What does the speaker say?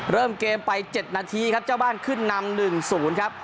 เริ่มเกมไป๗นาทีครับเจ้าบ้านขึ้นนำ๑๐ครับ